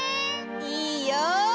いいよ！